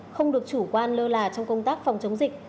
không được chủ quan lơ là trong công tác phòng chống dịch